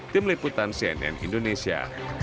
tim liputan cnn indonesia